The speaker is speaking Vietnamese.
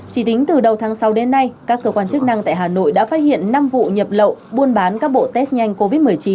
chỉ tính từ đầu tháng sáu đến nay các cơ quan chức năng tại hà nội đã phát hiện năm vụ nhập lậu buôn bán các bộ test nhanh covid một mươi chín